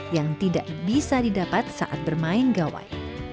yang tidak bisa didapat saat bermain gawai